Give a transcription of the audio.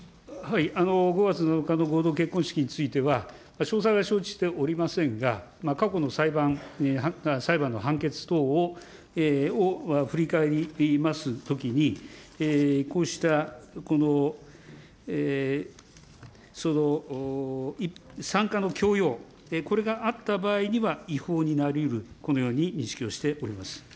５月７日の合同結婚式については詳細は承知しておりませんが、過去の裁判の判決等を振り返りますときに、こうした参加の強要、これがあった場合には違法になりうる、このように認識をしております。